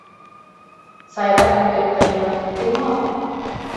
Сайрак мутет тыйын ынде уке мо?